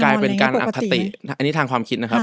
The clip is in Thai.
กลายเป็นการอคติอันนี้ทางความคิดนะครับ